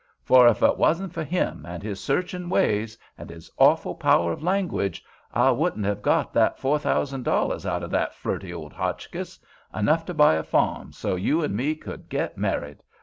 For if it wasn't for him and his searchin' ways, and his awful power of language, I wouldn't hev got that four thousand dollars out o' that flirty fool Hotchkiss—enough to buy a farm, so as you and me could get married!